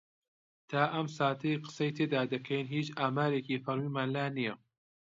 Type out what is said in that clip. تا ئەم ساتەی قسەی تێدا دەکەین هیچ ئامارێکی فەرمیمان لا نییە.